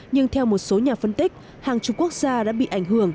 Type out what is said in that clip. nhưng theo một số nhà phân tích hàng chục quốc gia đã bị ảnh hưởng